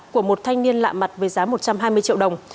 của một thanh niên lạ mặt với giá một trăm hai mươi triệu đồng